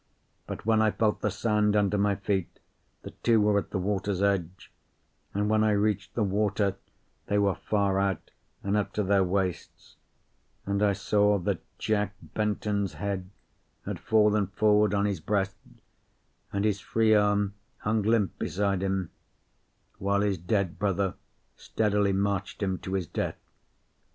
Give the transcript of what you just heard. But when I felt the sand under my feet, the two were at the water's edge; and when I reached the water they were far out, and up to their waists; and I saw that Jack Benton's head had fallen forward on his breast, and his free arm hung limp beside him, while his dead brother steadily marched him to his death.